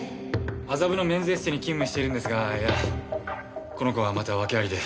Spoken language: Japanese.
麻布のメンズエステに勤務しているんですがこの子がまた訳ありで。